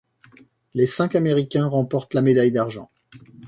Les cinq Américains remportent la médaille d'argent.